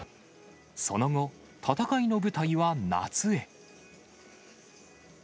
その後、戦いの舞台は夏へ。